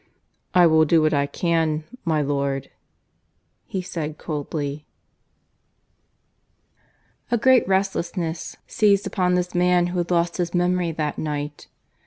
"I will do what I can, my lord," he said coldly. (III) A great restlessness seized upon the man who had lost his memory that night.